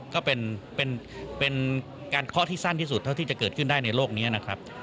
ก็เป็นการเคาะที่สั้นที่สุดเท่าที่จะเกิดขึ้นได้ในโลกนี้นะครับ